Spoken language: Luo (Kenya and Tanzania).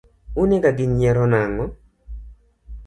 Unega gi nyiero nang’o?